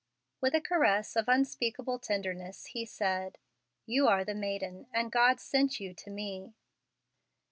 With a caress of unspeakable tenderness he said, "You are the maiden, and God sent you to me."